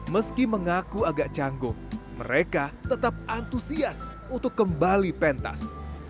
meski mengaku agak canggung mereka tetap antusias untuk kembali pentas